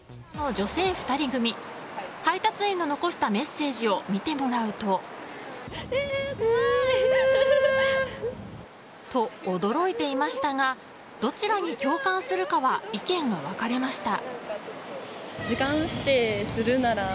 女性２人組に配達員が残したメッセージを見てもらうと。と、驚いていましたがどちらに共感するかは意見が分かれました。